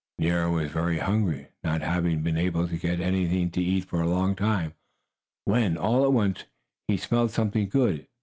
Nero was very hungry, not having been able to get anything to eat for a long time, when, all at once, he smelled something good.